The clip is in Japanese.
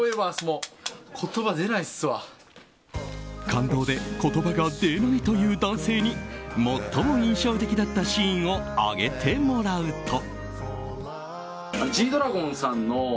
感動で言葉が出ないという男性に最も印象的だったシーンを挙げてもらうと。